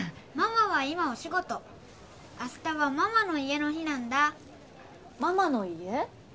ママは今お仕事明日はママの家の日なんだママの家？